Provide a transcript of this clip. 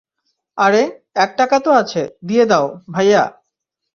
আরে, এক টাকা তো আছে, দিয়ে দাও, ভাইয়া।